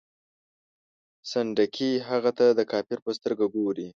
سنډکي هغه ته د کافر په سترګه ګوري.